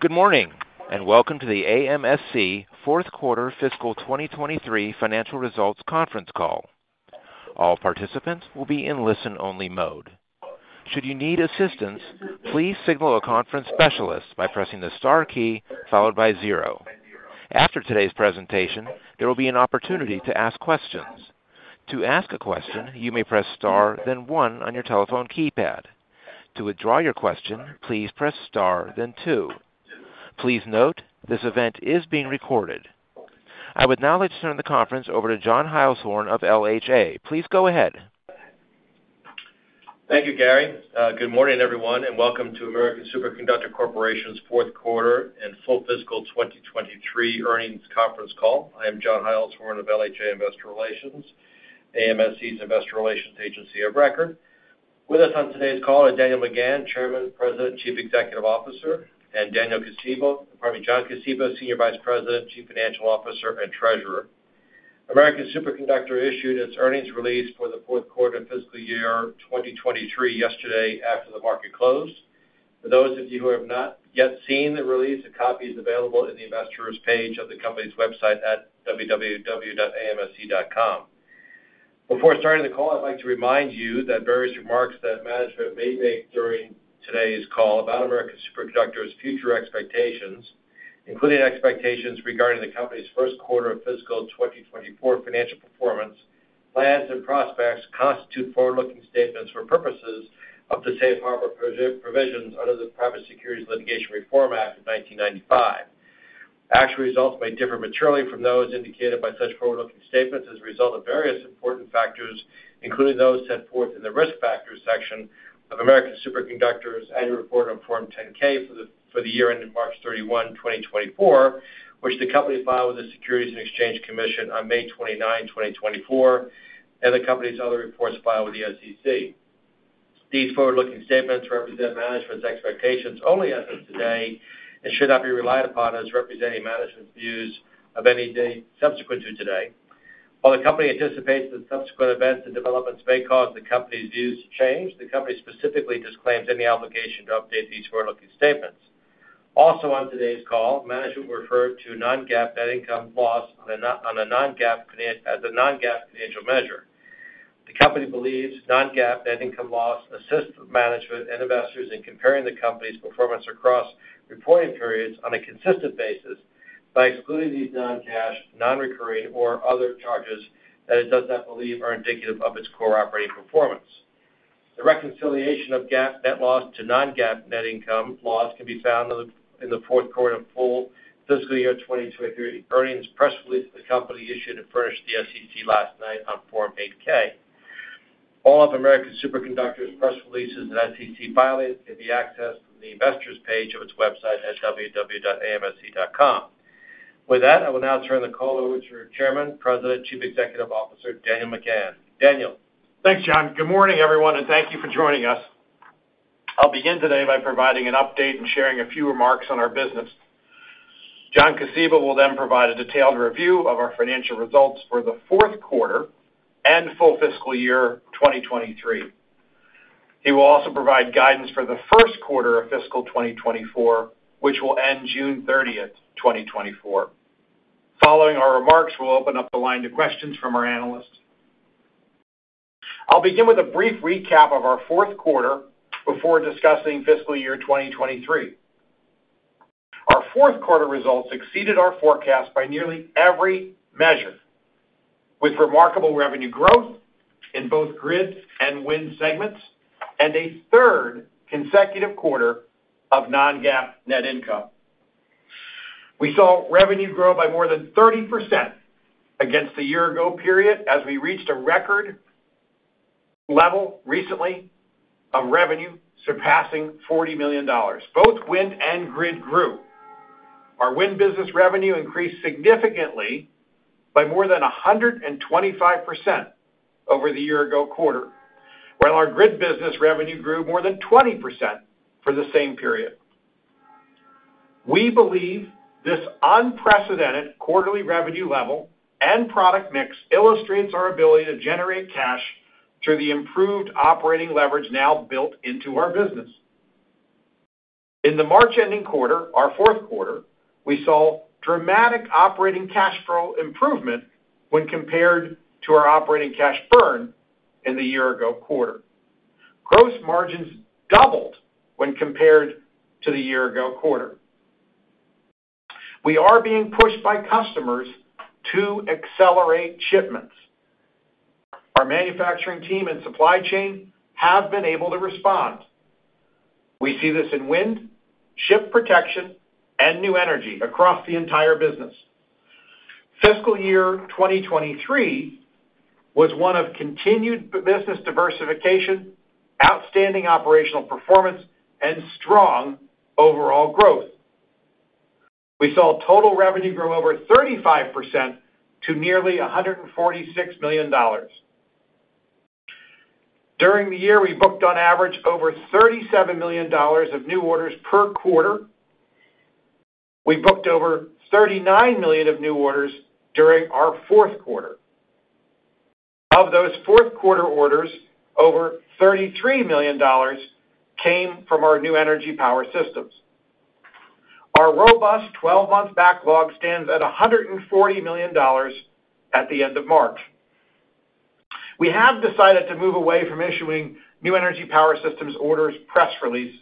Good morning and welcome to the AMSC Fourth Quarter Fiscal 2023 Financial Results Conference Call. All participants will be in listen-only mode. Should you need assistance, please signal a conference specialist by pressing the star key followed by zero. After today's presentation, there will be an opportunity to ask questions. To ask a question, you may press star then one on your telephone keypad. To withdraw your question, please press star then two. Please note, this event is being recorded. I would now like to turn the conference over to John Heilshorn of LHA. Please go ahead. Thank you, Gary. Good morning, everyone, and welcome to American Superconductor Corporation's Fourth Quarter and Full Fiscal 2023 Earnings Conference Call. I am John Heilshorn of LHA Investor Relations, AMSC's Investor Relations Agency of Record. With us on today's call are Daniel McGahn, Chairman, President, Chief Executive Officer, and Daniel Kosiba, pardon me, John Kosiba, Senior Vice President, Chief Financial Officer, and Treasurer. American Superconductor issued its earnings release for the fourth quarter fiscal year 2023 yesterday after the market closed. For those of you who have not yet seen the release, a copy is available in the investors' page of the company's website at www.amsc.com. Before starting the call, I'd like to remind you that various remarks that management may make during today's call about American Superconductor's future expectations, including expectations regarding the company's first quarter of fiscal 2024 financial performance, plans, and prospects, constitute forward-looking statements for purposes of the Safe Harbor Provisions under the Private Securities Litigation Reform Act of 1995. Actual results may differ materially from those indicated by such forward-looking statements as a result of various important factors, including those set forth in the Risk Factors section of American Superconductor's annual report on Form 10-K for the year ending March 31, 2024, which the company filed with the Securities and Exchange Commission on May 29, 2024, and the company's other reports filed with the SEC. These forward-looking statements represent management's expectations only as of today and should not be relied upon as representing management's views of any date subsequent to today. While the company anticipates that subsequent events and developments may cause the company's views to change, the company specifically disclaims any obligation to update these forward-looking statements. Also on today's call, management referred to non-GAAP net income loss as a non-GAAP financial measure. The company believes non-GAAP net income loss assists management and investors in comparing the company's performance across reporting periods on a consistent basis by excluding these non-cash, non-recurring, or other charges that it does not believe are indicative of its core operating performance. The reconciliation of GAAP net loss to non-GAAP net income loss can be found in the fourth quarter of full fiscal year 2023 earnings press release of the company issued and furnished the SEC last night on Form 8-K. All of American Superconductor's press releases and SEC filings can be accessed from the investors' page of its website at www.amsc.com. With that, I will now turn the call over to Chairman, President, Chief Executive Officer Daniel McGahn. Daniel. Thanks, John. Good morning, everyone, and thank you for joining us. I'll begin today by providing an update and sharing a few remarks on our business. John Kosiba will then provide a detailed review of our financial results for the fourth quarter and full fiscal year 2023. He will also provide guidance for the first quarter of fiscal 2024, which will end June 30, 2024. Following our remarks, we'll open up the line to questions from our analysts. I'll begin with a brief recap of our fourth quarter before discussing fiscal year 2023. Our fourth quarter results exceeded our forecast by nearly every measure, with remarkable revenue growth in both grid and wind segments and a third consecutive quarter of non-GAAP net income. We saw revenue grow by more than 30% against the year-ago period as we reached a record level recently of revenue surpassing $40 million. Both wind and grid grew. Our wind business revenue increased significantly by more than 125% over the year-ago quarter, while our grid business revenue grew more than 20% for the same period. We believe this unprecedented quarterly revenue level and product mix illustrates our ability to generate cash through the improved operating leverage now built into our business. In the March-ending quarter, our fourth quarter, we saw dramatic operating cash flow improvement when compared to our operating cash burn in the year-ago quarter. Gross margins doubled when compared to the year-ago quarter. We are being pushed by customers to accelerate shipments. Our manufacturing team and supply chain have been able to respond. We see this in wind, ship protection, and new energy across the entire business. Fiscal year 2023 was one of continued business diversification, outstanding operational performance, and strong overall growth. We saw total revenue grow over 35% to nearly $146 million. During the year, we booked, on average, over $37 million of new orders per quarter. We booked over $39 million of new orders during our fourth quarter. Of those fourth quarter orders, over $33 million came from our New Energy Power Systems. Our robust 12-month backlog stands at $140 million at the end of March. We have decided to move away from issuing New Energy Power Systems orders press releases.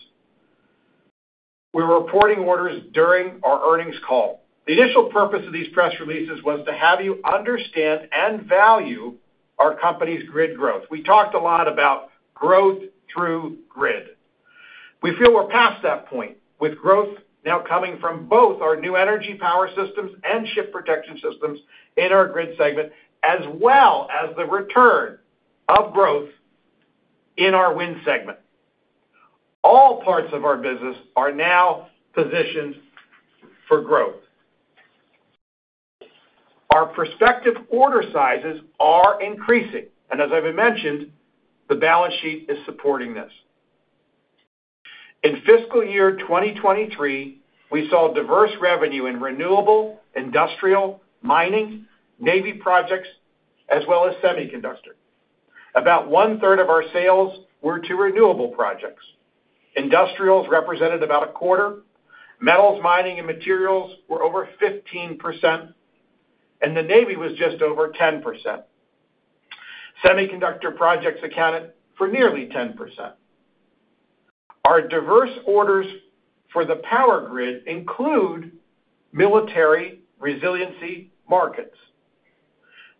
We're reporting orders during our earnings call. The initial purpose of these press releases was to have you understand and value our company's grid growth. We talked a lot about growth through grid. We feel we're past that point with growth now coming from both our New Energy Power Systems and Ship Protection Systems in our grid segment, as well as the return of growth in our wind segment. All parts of our business are now positioned for growth. Our prospective order sizes are increasing. As I've mentioned, the balance sheet is supporting this. In fiscal year 2023, we saw diverse revenue in renewable, industrial, mining, Navy projects, as well as semiconductor. About one-third of our sales were to renewable projects. Industrials represented about a quarter. Metals mining and materials were over 15%, and the Navy was just over 10%. Semiconductor projects accounted for nearly 10%. Our diverse orders for the power grid include military resiliency markets.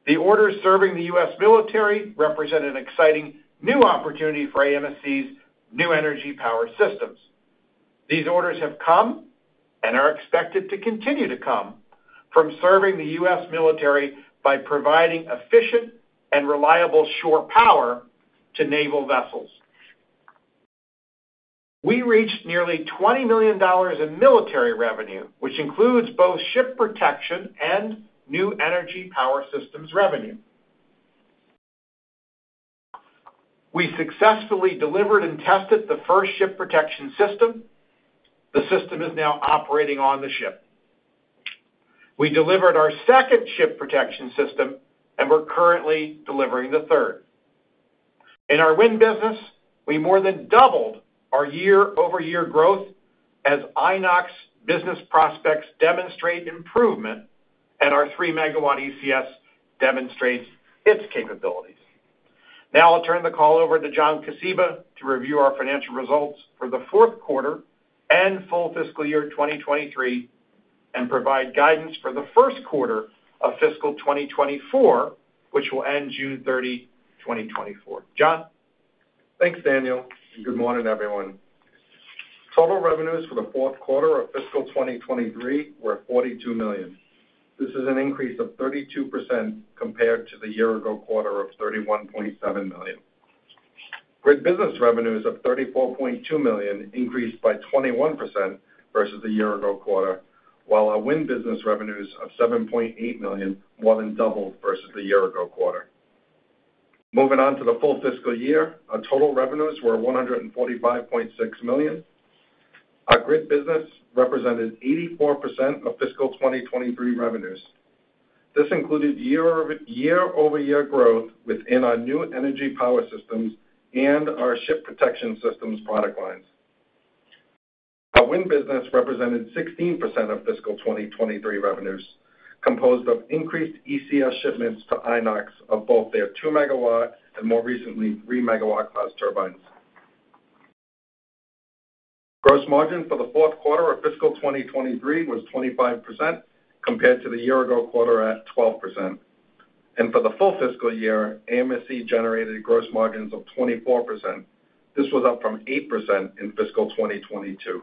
The orders serving the U.S. military represent an exciting new opportunity for AMSC's New Energy Power Systems. These orders have come and are expected to continue to come from serving the U.S. military by providing efficient and reliable shore power to naval vessels. We reached nearly $20 million in military revenue, which includes both Ship Protection System and New Energy Power Systems revenue. We successfully delivered and tested the first Ship Protection System. The system is now operating on the ship. We delivered our second Ship Protection System, and we're currently delivering the third. In our wind business, we more than doubled our year-over-year growth as Inox business prospects demonstrate improvement and our 3 MW ECS demonstrates its capabilities. Now I'll turn the call over to John Kosiba to review our financial results for the fourth quarter and full fiscal year 2023 and provide guidance for the first quarter of fiscal 2024, which will end June 30, 2024. John. Thanks, Daniel. Good morning, everyone. Total revenues for the fourth quarter of fiscal 2023 were $42 million. This is an increase of 32% compared to the year-ago quarter of $31.7 million. Grid business revenues of $34.2 million increased by 21% versus the year-ago quarter, while our wind business revenues of $7.8 million more than doubled versus the year-ago quarter. Moving on to the full fiscal year, our total revenues were $145.6 million. Our grid business represented 84% of fiscal 2023 revenues. This included year-over-year growth within our New Energy Power Systems and our Ship Protection Systems product lines. Our wind business represented 16% of fiscal 2023 revenues, composed of increased ECS shipments to Inox of both their 2 MW and more recently 3 MW-class turbines. Gross margin for the fourth quarter of fiscal 2023 was 25% compared to the year-ago quarter at 12%. For the full fiscal year, AMSC generated gross margins of 24%. This was up from 8% in fiscal 2022.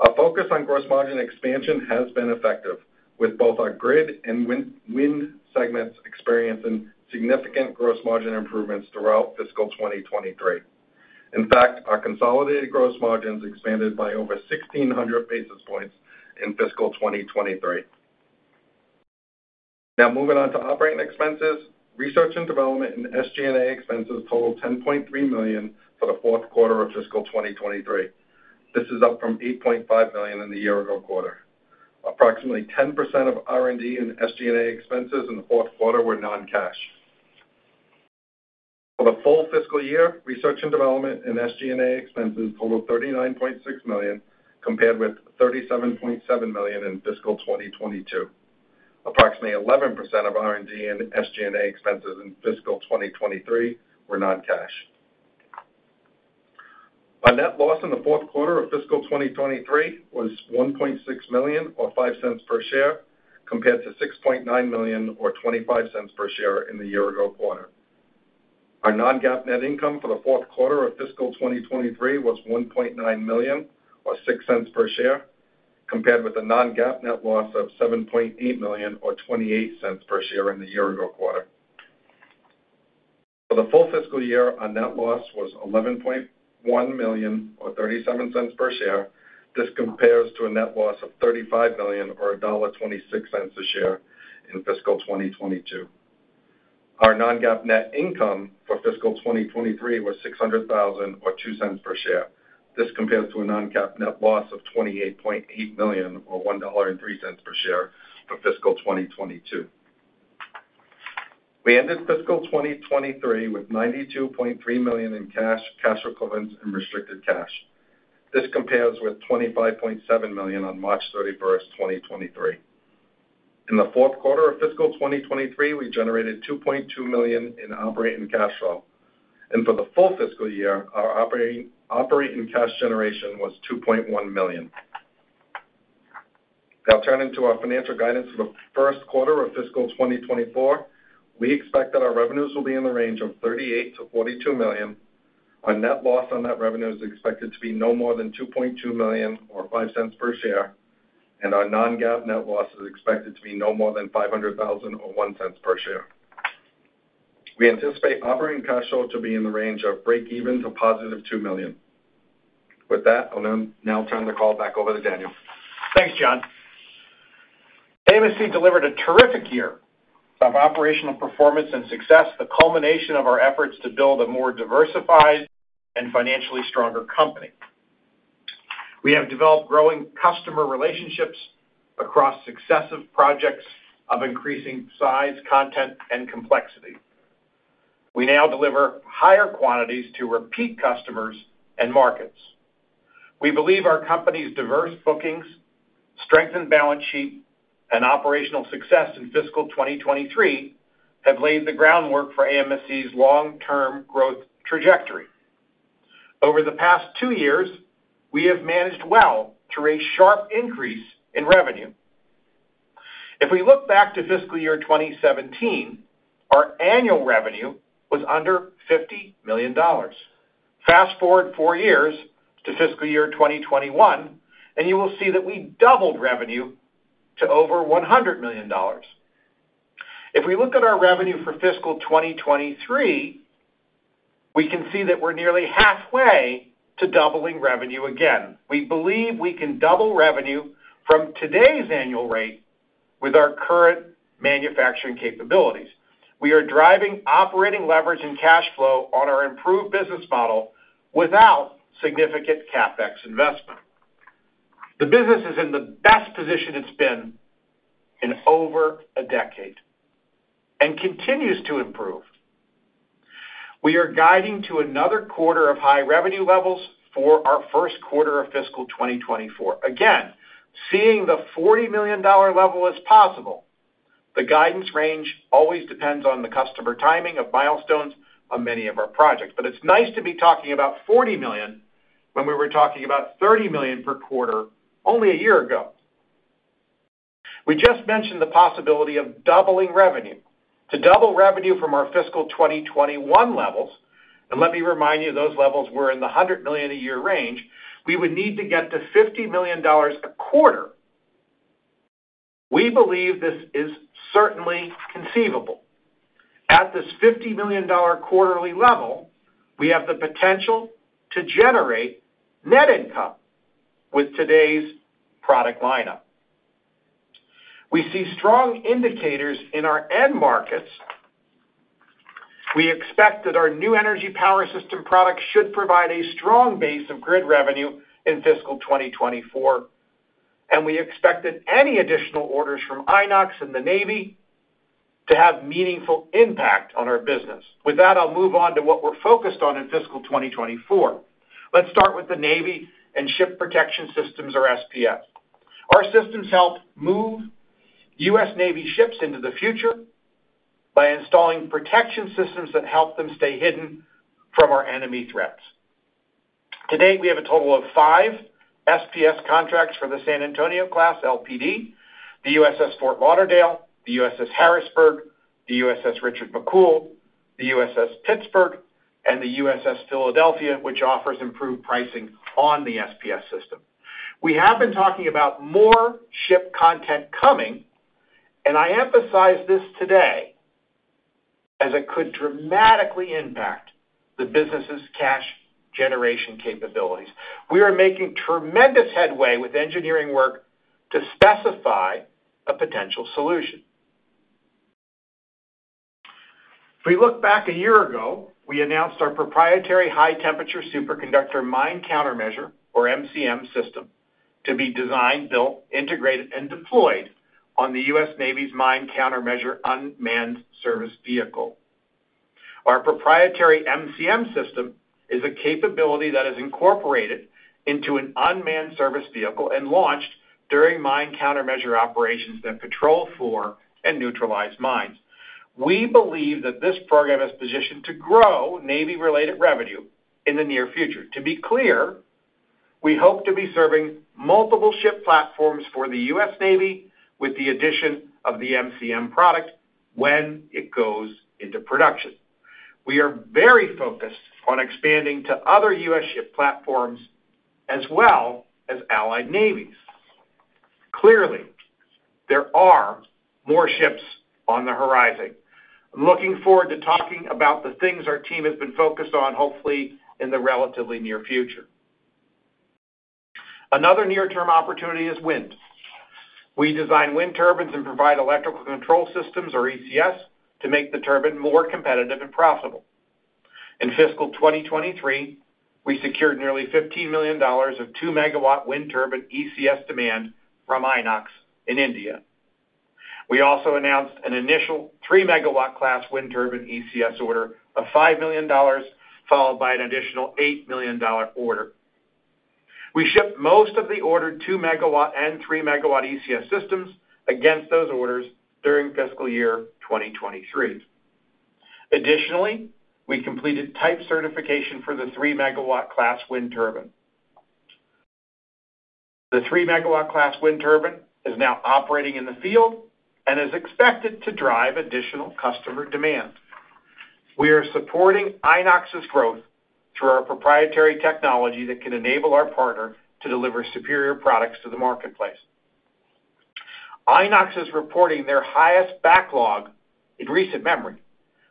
Our focus on gross margin expansion has been effective, with both our grid and wind segments experiencing significant gross margin improvements throughout fiscal 2023. In fact, our consolidated gross margins expanded by over 1,600 basis points in fiscal 2023. Now moving on to operating expenses. Research and development and SG&A expenses totaled $10.3 million for the fourth quarter of fiscal 2023. This is up from $8.5 million in the year-ago quarter. Approximately 10% of R&D and SG&A expenses in the fourth quarter were non-cash. For the full fiscal year, research and development and SG&A expenses totaled $39.6 million compared with $37.7 million in fiscal 2022. Approximately 11% of R&D and SG&A expenses in fiscal 2023 were non-cash. Our net loss in the fourth quarter of fiscal 2023 was $1.6 million or 5 cents per share compared to $6.9 million or $0.25 per share in the year-ago quarter. Our non-GAAP net income for the fourth quarter of fiscal 2023 was $1.9 million or $0.06 per share compared with a non-GAAP net loss of $7.8 million or 28 cents per share in the year-ago quarter. For the full fiscal year, our net loss was $11.1 million or 37 cents per share. This compares to a net loss of $35 million or $1.26 a share in fiscal 2022. Our non-GAAP net income for fiscal 2023 was $600,000 or $0.02 per share. This compares to a non-GAAP net loss of $28.8 million or $1.03 per share for fiscal 2022. We ended fiscal 2023 with $92.3 million in cash, cash equivalents, and restricted cash. This compares with $25.7 million on March 31, 2023. In the fourth quarter of fiscal 2023, we generated $2.2 million in operating cash flow. For the full fiscal year, our operating cash generation was $2.1 million. Now turning to our financial guidance for the first quarter of fiscal 2024, we expect that our revenues will be in the range of $38 million-$42 million. Our net loss on that revenue is expected to be no more than $2.2 million or $0.05 per share. Our non-GAAP net loss is expected to be no more than $500,000 or $0.01 per share. We anticipate operating cash flow to be in the range of break-even to +$2 million. With that, I'll now turn the call back over to Daniel. Thanks, John. AMSC delivered a terrific year of operational performance and success, the culmination of our efforts to build a more diversified and financially stronger company. We have developed growing customer relationships across successive projects of increasing size, content, and complexity. We now deliver higher quantities to repeat customers and markets. We believe our company's diverse bookings, strengthened balance sheet, and operational success in fiscal 2023 have laid the groundwork for AMSC's long-term growth trajectory. Over the past two years, we have managed well to raise sharp increase in revenue. If we look back to fiscal year 2017, our annual revenue was under $50 million. Fast-forward four years to fiscal year 2021, and you will see that we doubled revenue to over $100 million. If we look at our revenue for fiscal 2023, we can see that we're nearly halfway to doubling revenue again. We believe we can double revenue from today's annual rate with our current manufacturing capabilities. We are driving operating leverage and cash flow on our improved business model without significant CapEx investment. The business is in the best position it's been in over a decade and continues to improve. We are guiding to another quarter of high revenue levels for our first quarter of fiscal 2024. Again, seeing the $40 million level as possible. The guidance range always depends on the customer timing of milestones of many of our projects. But it's nice to be talking about $40 million when we were talking about $30 million per quarter only a year ago. We just mentioned the possibility of doubling revenue. To double revenue from our fiscal 2021 levels—and let me remind you, those levels were in the $100 million a year range—we would need to get to $50 million a quarter. We believe this is certainly conceivable. At this $50 million quarterly level, we have the potential to generate net income with today's product lineup. We see strong indicators in our end markets. We expect that our New Energy Power Systems product should provide a strong base of grid revenue in fiscal 2024. And we expect that any additional orders from Inox and the Navy to have meaningful impact on our business. With that, I'll move on to what we're focused on in fiscal 2024. Let's start with the Navy and Ship Protection Systems, or SPS. Our systems help move U.S. Navy ships into the future by installing protection systems that help them stay hidden from our enemy threats. To date, we have a total of five SPS contracts for the San Antonio-class LPD: the USS Fort Lauderdale, the USS Harrisburg, the USS Richard M. McCool Jr., the USS Pittsburgh, and the USS Philadelphia, which offers improved pricing on the SPS system. We have been talking about more ship content coming, and I emphasize this today as it could dramatically impact the business's cash generation capabilities. We are making tremendous headway with engineering work to specify a potential solution. If we look back a year ago, we announced our proprietary high-temperature superconductor mine countermeasure, or MCM, system to be designed, built, integrated, and deployed on the U.S. Navy's mine countermeasure unmanned surface vehicle. Our proprietary MCM system is a capability that is incorporated into an unmanned surface vehicle and launched during mine countermeasure operations that patrol for and neutralize mines. We believe that this program is positioned to grow Navy-related revenue in the near future. To be clear, we hope to be serving multiple ship platforms for the U.S. Navy with the addition of the MCM product when it goes into production. We are very focused on expanding to other U.S. ship platforms as well as Allied Navies. Clearly, there are more ships on the horizon. I'm looking forward to talking about the things our team has been focused on, hopefully, in the relatively near future. Another near-term opportunity is wind. We design wind turbines and provide electrical control systems, or ECS, to make the turbine more competitive and profitable. In fiscal 2023, we secured nearly $15 million of 2 MW wind turbine ECS demand from Inox in India. We also announced an initial 3 MW-class wind turbine ECS order of $5 million, followed by an additional $8 million order. We shipped most of the ordered 2 MW and 3 MW ECS systems against those orders during fiscal year 2023. Additionally, we completed type certification for the 3 MW-class wind turbine. The 3 MW-class wind turbine is now operating in the field and is expected to drive additional customer demand. We are supporting Inox's growth through our proprietary technology that can enable our partner to deliver superior products to the marketplace. Inox is reporting their highest backlog in recent memory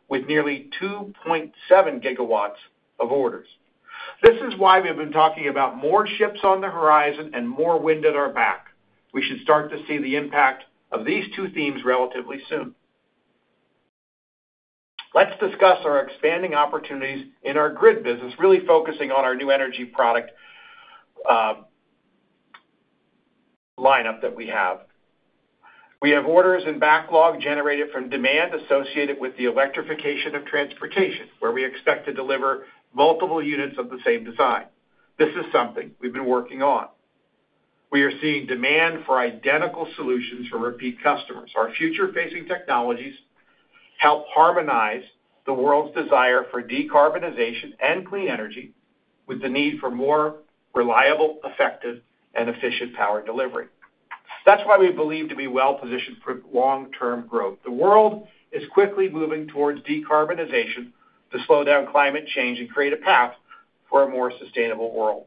with nearly 2.7 GW of orders. This is why we've been talking about more ships on the horizon and more wind at our back. We should start to see the impact of these two themes relatively soon. Let's discuss our expanding opportunities in our grid business, really focusing on our new energy product lineup that we have. We have orders and backlog generated from demand associated with the electrification of transportation, where we expect to deliver multiple units of the same design. This is something we've been working on. We are seeing demand for identical solutions for repeat customers. Our future-facing technologies help harmonize the world's desire for decarbonization and clean energy with the need for more reliable, effective, and efficient power delivery. That's why we believe to be well-positioned for long-term growth. The world is quickly moving towards decarbonization to slow down climate change and create a path for a more sustainable world.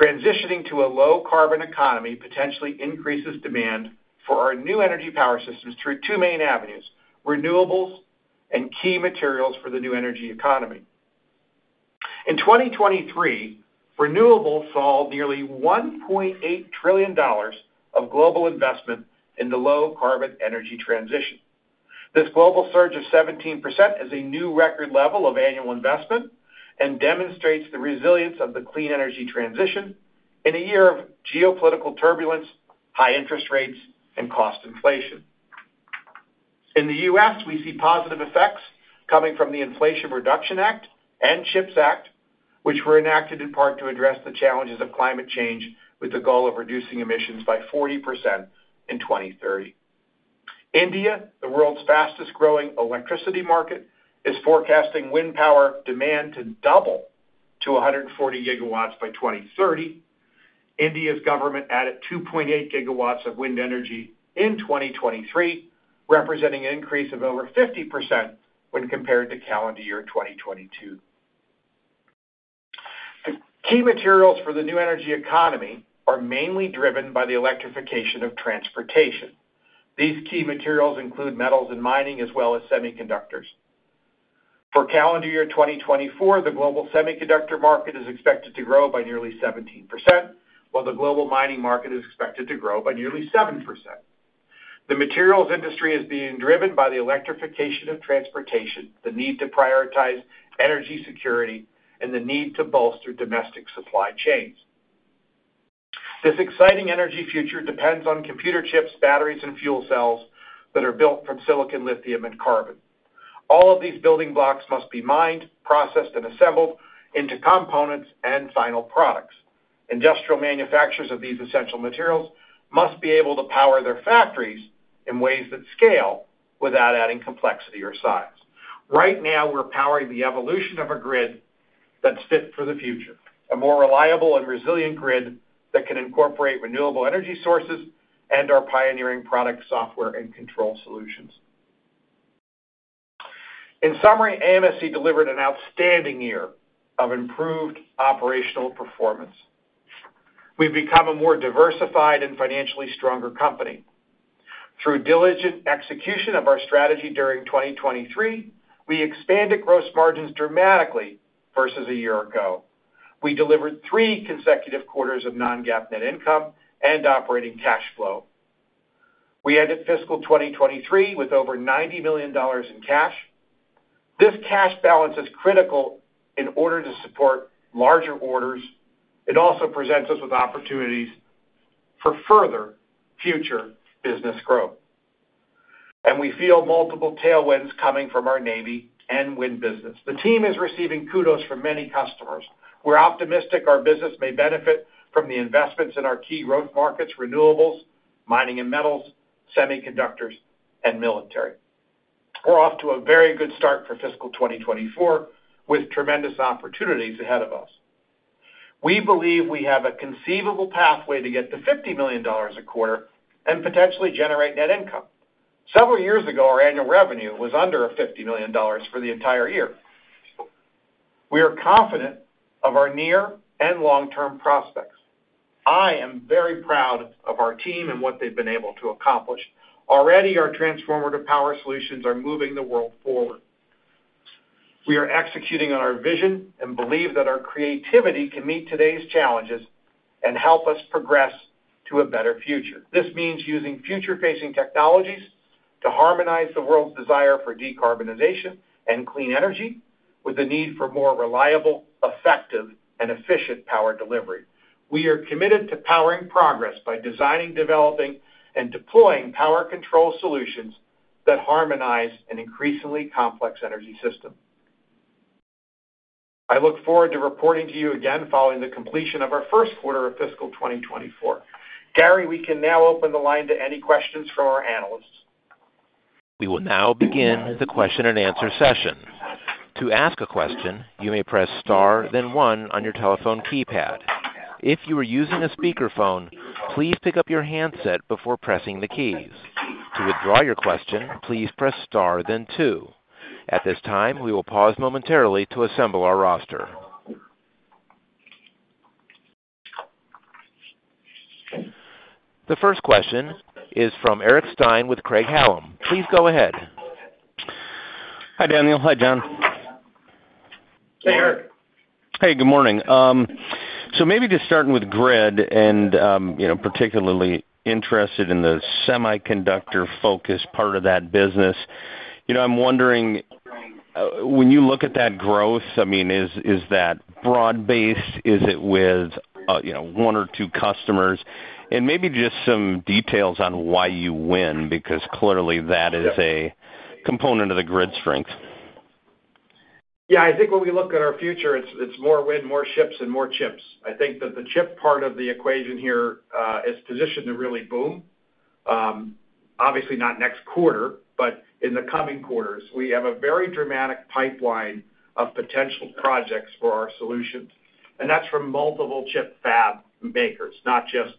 Transitioning to a low-carbon economy potentially increases demand for our New Energy Power Systems through two main avenues: renewables and key materials for the new energy economy. In 2023, renewables saw nearly $1.8 trillion of global investment in the low-carbon energy transition. This global surge of 17% is a new record level of annual investment and demonstrates the resilience of the clean energy transition in a year of geopolitical turbulence, high interest rates, and cost inflation. In the U.S., we see positive effects coming from the Inflation Reduction Act and CHIPS Act, which were enacted in part to address the challenges of climate change with the goal of reducing emissions by 40% in 2030. India, the world's fastest-growing electricity market, is forecasting wind power demand to double to 140 GW by 2030. India's government added 2.8 GW of wind energy in 2023, representing an increase of over 50% when compared to calendar year 2022. The key materials for the new energy economy are mainly driven by the electrification of transportation. These key materials include metals and mining as well as semiconductors. For calendar year 2024, the global semiconductor market is expected to grow by nearly 17%, while the global mining market is expected to grow by nearly 7%. The materials industry is being driven by the electrification of transportation, the need to prioritize energy security, and the need to bolster domestic supply chains. This exciting energy future depends on computer chips, batteries, and fuel cells that are built from silicon, lithium, and carbon. All of these building blocks must be mined, processed, and assembled into components and final products. Industrial manufacturers of these essential materials must be able to power their factories in ways that scale without adding complexity or size. Right now, we're powering the evolution of a grid that's fit for the future: a more reliable and resilient grid that can incorporate renewable energy sources and our pioneering product software and control solutions. In summary, AMSC delivered an outstanding year of improved operational performance. We've become a more diversified and financially stronger company. Through diligent execution of our strategy during 2023, we expanded gross margins dramatically versus a year ago. We delivered three consecutive quarters of non-GAAP net income and operating cash flow. We ended fiscal 2023 with over $90 million in cash. This cash balance is critical in order to support larger orders. It also presents us with opportunities for further future business growth. We feel multiple tailwinds coming from our Navy and wind business. The team is receiving kudos from many customers. We're optimistic our business may benefit from the investments in our key growth markets: renewables, mining and metals, semiconductors, and military. We're off to a very good start for fiscal 2024 with tremendous opportunities ahead of us. We believe we have a conceivable pathway to get to $50 million a quarter and potentially generate net income. Several years ago, our annual revenue was under $50 million for the entire year. We are confident of our near and long-term prospects. I am very proud of our team and what they've been able to accomplish. Already, our transformer-to-power solutions are moving the world forward. We are executing on our vision and believe that our creativity can meet today's challenges and help us progress to a better future. This means using future-facing technologies to harmonize the world's desire for decarbonization and clean energy with the need for more reliable, effective, and efficient power delivery. We are committed to powering progress by designing, developing, and deploying power control solutions that harmonize an increasingly complex energy system. I look forward to reporting to you again following the completion of our first quarter of fiscal 2024. Gary, we can now open the line to any questions from our analysts. We will now begin the question-and-answer session. To ask a question, you may press star, then one on your telephone keypad. If you are using a speakerphone, please pick up your handset before pressing the keys. To withdraw your question, please press star, then two. At this time, we will pause momentarily to assemble our roster. The first question is from Eric Stine with Craig-Hallum. Please go ahead. Hi, Daniel. Hi, John. Hey, Eric. Hey, good morning. So maybe just starting with grid and particularly interested in the semiconductor-focused part of that business, I'm wondering, when you look at that growth, I mean, is that broad-based? Is it with one or two customers? And maybe just some details on why you win, because clearly, that is a component of the grid strength. Yeah. I think when we look at our future, it's more wind, more ships, and more chips. I think that the chip part of the equation here is positioned to really boom. Obviously, not next quarter, but in the coming quarters. We have a very dramatic pipeline of potential projects for our solutions. And that's from multiple chip fab makers, not just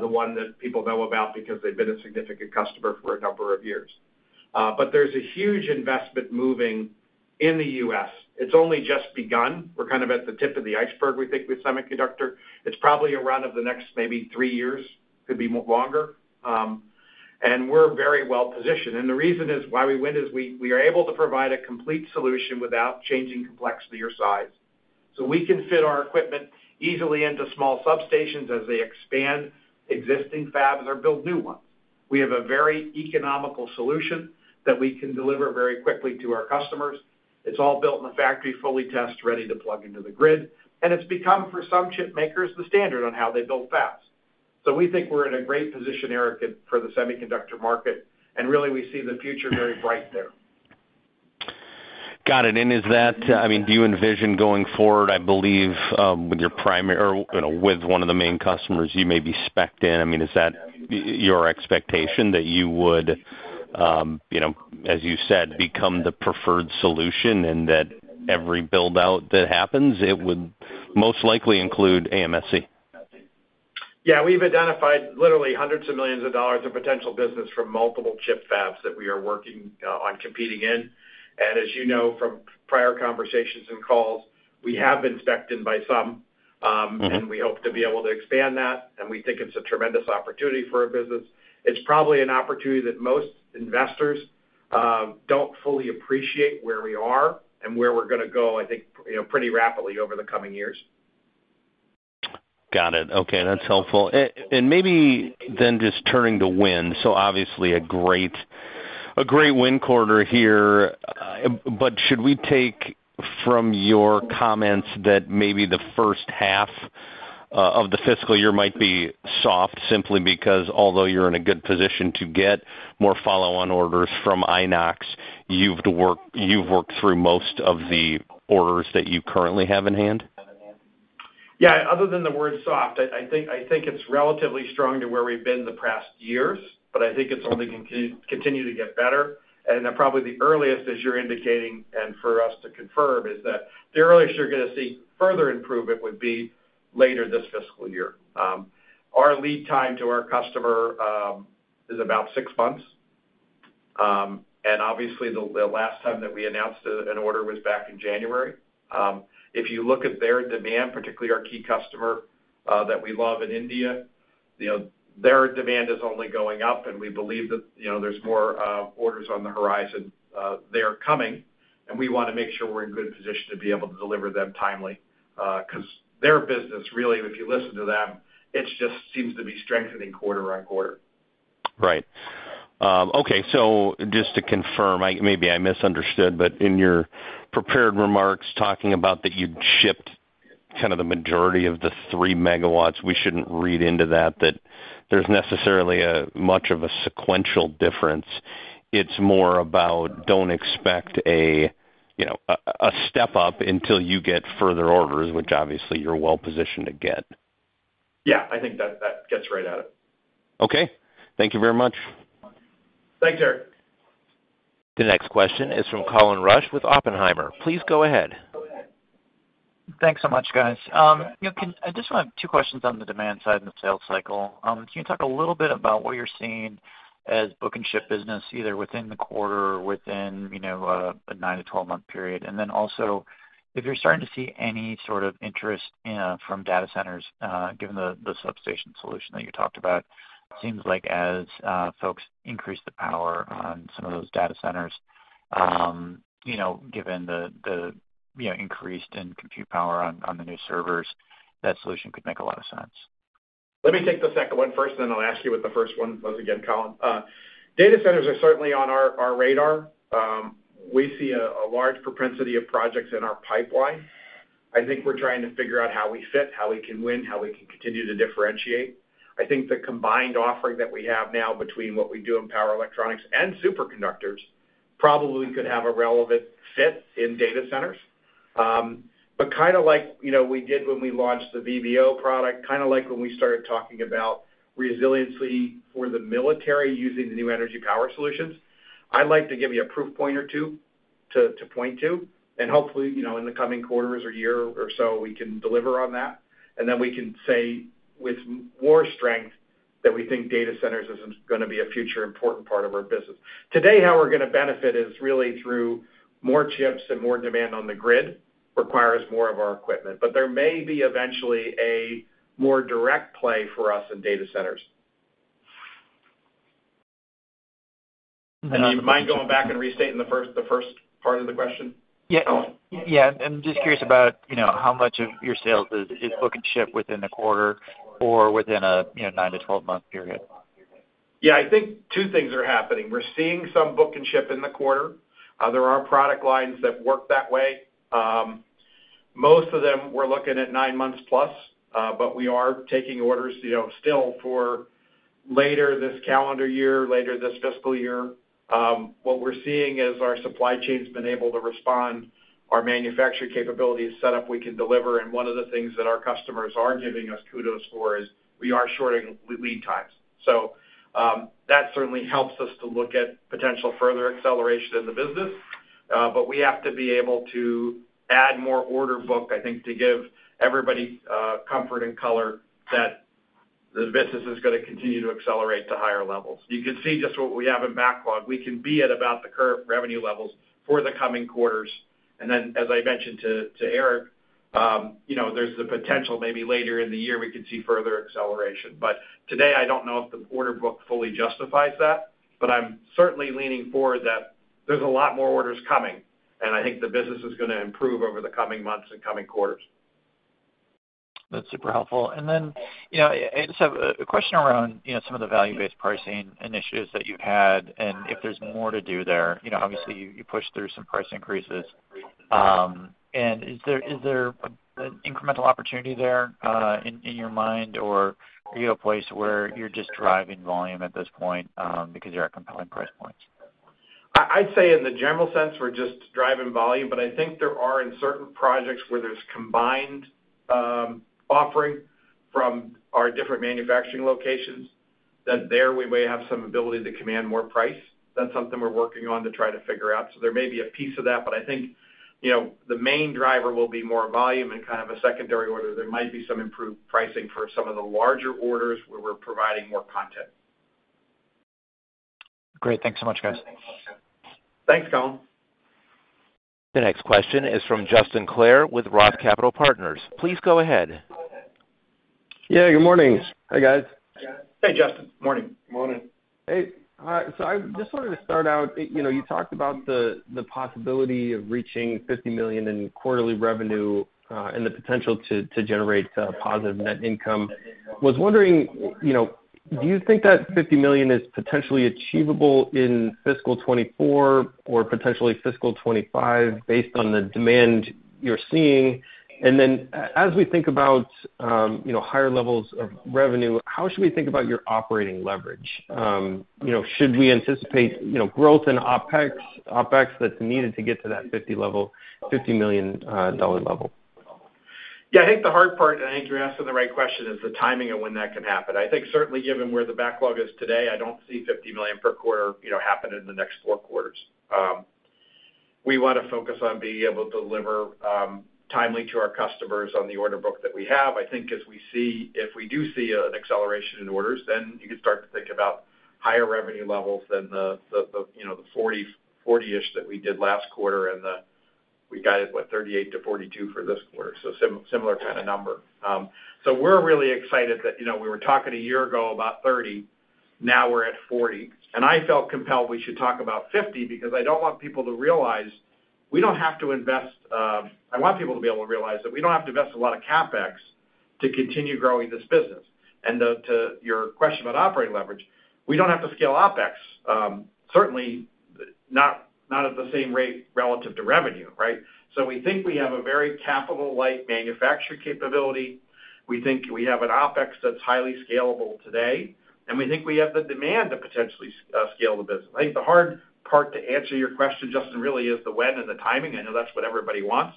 the one that people know about because they've been a significant customer for a number of years. But there's a huge investment moving in the U.S. It's only just begun. We're kind of at the tip of the iceberg, we think, with semiconductor. It's probably around over the next maybe three years, could be longer. We're very well-positioned. The reason why we win is we are able to provide a complete solution without changing complexity or size. We can fit our equipment easily into small substations as they expand existing fabs or build new ones. We have a very economical solution that we can deliver very quickly to our customers. It's all built in the factory, fully tested, ready to plug into the grid. It's become, for some chip makers, the standard on how they build fabs. We think we're in a great position, Eric, for the semiconductor market. Really, we see the future very bright there. Got it. Is that, I mean, do you envision going forward, I believe, with your primary or with one of the main customers you may be spec'd in? I mean, is that your expectation that you would, as you said, become the preferred solution and that every buildout that happens, it would most likely include AMSC? Yeah. We've identified literally hundreds of millions dollar of potential business from multiple chip fabs that we are working on competing in. And as you know from prior conversations and calls, we have been spec'd in by some. And we hope to be able to expand that. And we think it's a tremendous opportunity for our business. It's probably an opportunity that most investors don't fully appreciate where we are and where we're going to go, I think, pretty rapidly over the coming years. Got it. Okay. That's helpful. Maybe then just turning to wind. Obviously, a great wind quarter here. Should we take from your comments that maybe the first half of the fiscal year might be soft simply because, although you're in a good position to get more follow-on orders from Inox, you've worked through most of the orders that you currently have in hand? Yeah. Other than the word soft, I think it's relatively strong to where we've been the past years. I think it's only continued to get better. Probably the earliest, as you're indicating and for us to confirm, is that the earliest you're going to see further improvement would be later this fiscal year. Our lead time to our customer is about six months. Obviously, the last time that we announced an order was back in January. If you look at their demand, particularly our key customer that we love in India, their demand is only going up. And we believe that there's more orders on the horizon there coming. And we want to make sure we're in good position to be able to deliver them timely. Because their business, really, if you listen to them, it just seems to be strengthening quarter-over-quarter. Right. Okay. So just to confirm, maybe I misunderstood, but in your prepared remarks talking about that you shipped kind of the majority of the 3 MW, we shouldn't read into that that there's necessarily much of a sequential difference. It's more about don't expect a step up until you get further orders, which obviously, you're well-positioned to get. Yeah. I think that gets right at it. Okay. Thank you very much. Thanks, Eric. The next question is from Colin Rusch with Oppenheimer. Please go ahead. Thanks so much, guys. I just have two questions on the demand side and the sales cycle. Can you talk a little bit about what you're seeing as book and ship business either within the quarter or within a nine to 12-month period? And then also, if you're starting to see any sort of interest from data centers, given the substation solution that you talked about, it seems like as folks increase the power on some of those data centers, given the increase in compute power on the new servers, that solution could make a lot of sense. Let me take the second one first, and then I'll ask you what the first one was again, Colin. Data centers are certainly on our radar. We see a large propensity of projects in our pipeline. I think we're trying to figure out how we fit, how we can win, how we can continue to differentiate. I think the combined offering that we have now between what we do in power electronics and superconductors probably could have a relevant fit in data centers. But kind of like we did when we launched the VVO product, kind of like when we started talking about resiliency for the military using the new energy power solutions, I'd like to give you a proof point or two to point to. And hopefully, in the coming quarters or year or so, we can deliver on that. And then we can say with more strength that we think data centers is going to be a future important part of our business. Today, how we're going to benefit is really through more chips and more demand on the grid requires more of our equipment. But there may be eventually a more direct play for us in data centers. And do you mind going back and restating the first part of the question, Colin? Yeah. I'm just curious about how much of your sales is book and ship within a quarter or within a nine to 12-month period? Yeah. I think two things are happening. We're seeing some book and ship in the quarter. There are product lines that work that way. Most of them, we're looking at nine months plus. But we are taking orders still for later this calendar year, later this fiscal year. What we're seeing is our supply chain's been able to respond. Our manufacturing capability is set up. We can deliver. One of the things that our customers are giving us kudos for is we are shortening lead times. So that certainly helps us to look at potential further acceleration in the business. But we have to be able to add more order book, I think, to give everybody comfort and color that the business is going to continue to accelerate to higher levels. You can see just what we have in backlog. We can be at about the current revenue levels for the coming quarters. And then, as I mentioned to Eric, there's the potential maybe later in the year we could see further acceleration. But today, I don't know if the order book fully justifies that. But I'm certainly leaning forward that there's a lot more orders coming. And I think the business is going to improve over the coming months and coming quarters. That's super helpful. I just have a question around some of the value-based pricing initiatives that you've had and if there's more to do there. Obviously, you pushed through some price increases. Is there an incremental opportunity there in your mind, or are you at a place where you're just driving volume at this point because you're at compelling price points? I'd say in the general sense, we're just driving volume. But I think there are certain projects where there's combined offering from our different manufacturing locations that there we may have some ability to command more price. That's something we're working on to try to figure out. So there may be a piece of that. But I think the main driver will be more volume and kind of a secondary order. There might be some improved pricing for some of the larger orders where we're providing more content. Great. Thanks so much, guys. Thanks, Colin. The next question is from Justin Clare with Roth Capital Partners. Please go ahead. Yeah. Good morning. Hi, guys. Hey, Justin. Morning. Morning. Hey. So I just wanted to start out you talked about the possibility of reaching $50 million in quarterly revenue and the potential to generate positive net income. I was wondering, do you think that $50 million is potentially achievable in fiscal 2024 or potentially fiscal 2025 based on the demand you're seeing? And then as we think about higher levels of revenue, how should we think about your operating leverage? Should we anticipate growth in OpEx that's needed to get to that $50 million level? Yeah. I think the hard part and I think you're asking the right question is the timing of when that can happen. I think certainly, given where the backlog is today, I don't see $50 million per quarter happen in the next full quarters. We want to focus on being able to deliver timely to our customers on the order book that we have. I think if we do see an acceleration in orders, then you can start to think about higher revenue levels than the $40-ish million that we did last quarter. And we got it, what, $38 million-$42 million for this quarter. So similar kind of number. So we're really excited that we were talking a year ago about $30 million. Now we're at $40 million. And I felt compelled we should talk about $50 million because I don't want people to realize we don't have to invest I want people to be able to realize that we don't have to invest a lot of CapEx to continue growing this business. To your question about operating leverage, we don't have to scale OpEx, certainly not at the same rate relative to revenue, right? So we think we have a very capital-light manufacturing capability. We think we have an OpEx that's highly scalable today. And we think we have the demand to potentially scale the business. I think the hard part to answer your question, Justin, really is the when and the timing. I know that's what everybody wants.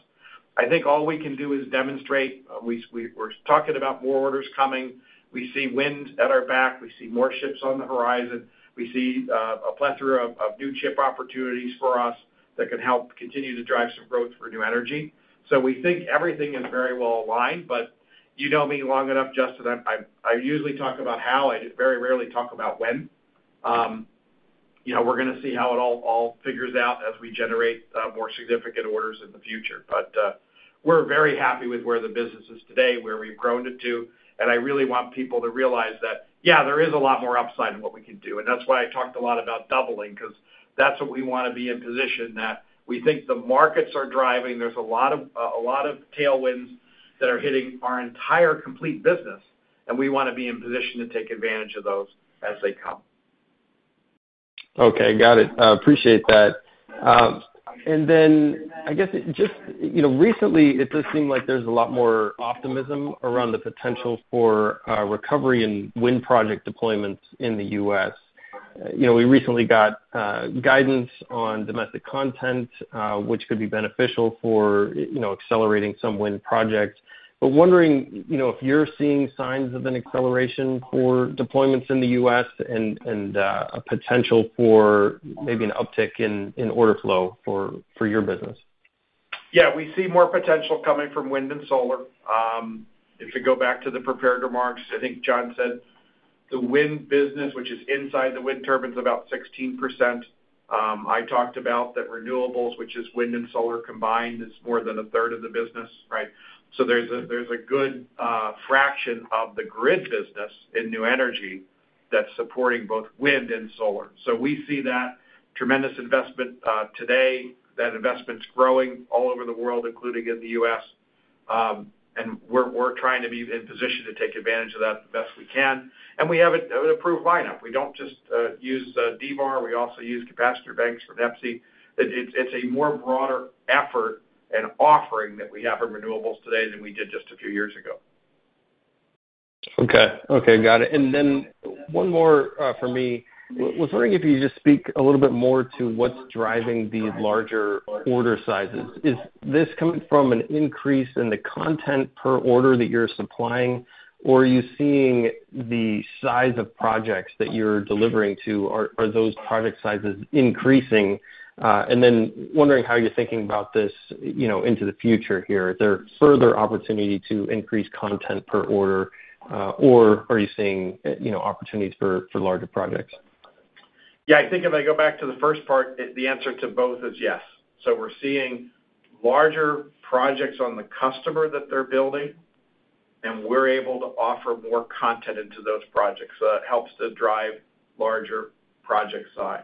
I think all we can do is demonstrate we're talking about more orders coming. We see wind at our back. We see more ships on the horizon. We see a plethora of new chip opportunities for us that can help continue to drive some growth for new energy. So we think everything is very well aligned. But you know me long enough, Justin. I usually talk about how. I very rarely talk about when. We're going to see how it all figures out as we generate more significant orders in the future. But we're very happy with where the business is today, where we've grown it to. And I really want people to realize that, yeah, there is a lot more upside in what we can do. And that's why I talked a lot about doubling because that's what we want to be in position that we think the markets are driving. There's a lot of tailwinds that are hitting our entire complete business. And we want to be in position to take advantage of those as they come. Okay. Got it. Appreciate that. And then I guess just recently, it does seem like there's a lot more optimism around the potential for recovery and wind project deployments in the U.S. We recently got guidance on domestic content, which could be beneficial for accelerating some wind projects. But wondering if you're seeing signs of an acceleration for deployments in the U.S. and a potential for maybe an uptick in order flow for your business? Yeah. We see more potential coming from wind and solar. If we go back to the prepared remarks, I think John said the wind business, which is inside the wind turbines, about 16%. I talked about that renewables, which is wind and solar combined, is more than a third of the business, right? So there's a good fraction of the grid business in new energy that's supporting both wind and solar. So we see that tremendous investment today. That investment's growing all over the world, including in the U.S. And we're trying to be in position to take advantage of that the best we can. And we have an approved lineup. We don't just use D-VAR. We also use capacitor banks from NEPSI. It's a more broader effort and offering that we have in renewables today than we did just a few years ago. Okay. Okay. Got it. And then one more for me. I was wondering if you could just speak a little bit more to what's driving the larger order sizes. Is this coming from an increase in the content per order that you're supplying, or are you seeing the size of projects that you're delivering to are those project sizes increasing? And then wondering how you're thinking about this into the future here. Is there further opportunity to increase content per order, or are you seeing opportunities for larger projects? Yeah. I think if I go back to the first part, the answer to both is yes. So we're seeing larger projects on the customer that they're building. And we're able to offer more content into those projects. So that helps to drive larger project size.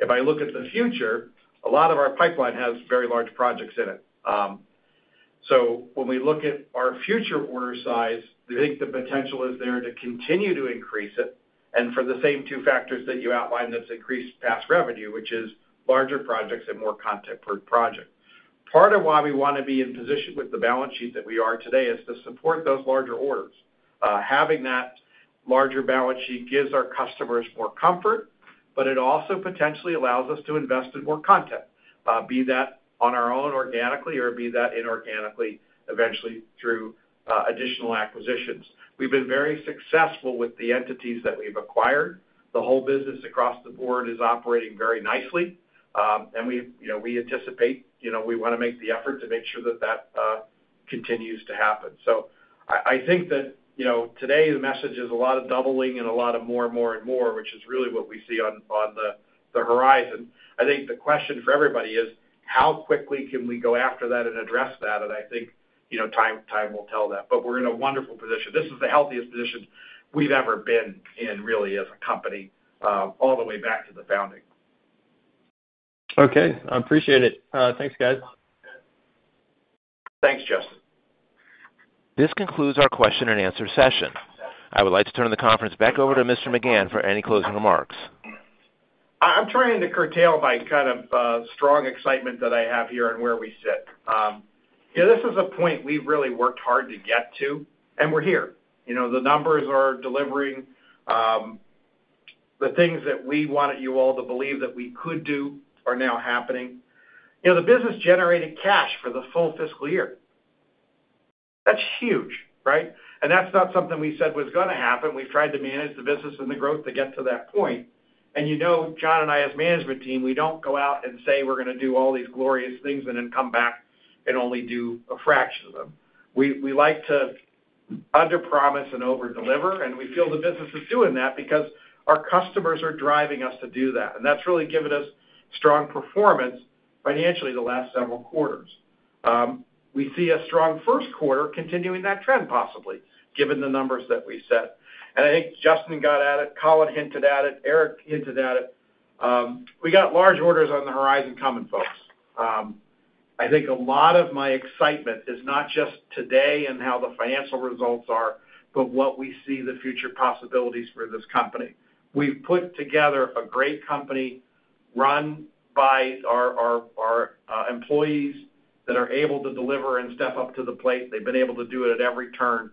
If I look at the future, a lot of our pipeline has very large projects in it. So when we look at our future order size, I think the potential is there to continue to increase it. And for the same two factors that you outlined, that's increased past revenue, which is larger projects and more content per project. Part of why we want to be in position with the balance sheet that we are today is to support those larger orders. Having that larger balance sheet gives our customers more comfort. But it also potentially allows us to invest in more content, be that on our own organically or be that inorganically, eventually through additional acquisitions. We've been very successful with the entities that we've acquired. The whole business across the board is operating very nicely. We anticipate we want to make the effort to make sure that that continues to happen. So I think that today, the message is a lot of doubling and a lot of more and more and more, which is really what we see on the horizon. I think the question for everybody is, how quickly can we go after that and address that? And I think time will tell that. But we're in a wonderful position. This is the healthiest position we've ever been in, really, as a company all the way back to the founding. Okay. I appreciate it. Thanks, guys. Thanks, Justin. This concludes our question and answer session. I would like to turn the conference back over to Mr. McGahn for any closing remarks. I'm trying to curtail my kind of strong excitement that I have here and where we sit. This is a point we've really worked hard to get to. We're here. The numbers are delivering. The things that we wanted you all to believe that we could do are now happening. The business generated cash for the full fiscal year. That's huge, right? That's not something we said was going to happen. We've tried to manage the business and the growth to get to that point. John and I, as management team, we don't go out and say we're going to do all these glorious things and then come back and only do a fraction of them. We like to underpromise and overdeliver. We feel the business is doing that because our customers are driving us to do that. That's really given us strong performance financially the last several quarters. We see a strong first quarter continuing that trend, possibly, given the numbers that we set. I think Justin got at it. Colin hinted at it. Eric hinted at it. We got large orders on the horizon coming, folks. I think a lot of my excitement is not just today and how the financial results are, but what we see the future possibilities for this company. We've put together a great company run by our employees that are able to deliver and step up to the plate. They've been able to do it at every turn.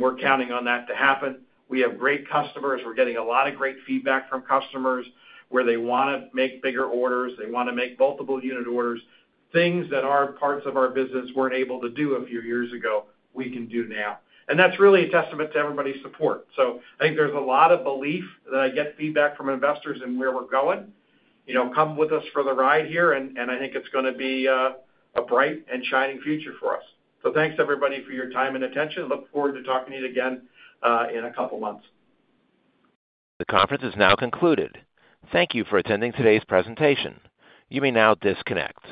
We're counting on that to happen. We have great customers. We're getting a lot of great feedback from customers where they want to make bigger orders. They want to make multiple unit orders. Things that are parts of our business weren't able to do a few years ago, we can do now. That's really a testament to everybody's support. I think there's a lot of belief that I get feedback from investors in where we're going. Come with us for the ride here. I think it's going to be a bright and shining future for us. Thanks, everybody, for your time and attention. Look forward to talking to you again in a couple of months. The conference is now concluded. Thank you for attending today's presentation. You may now disconnect.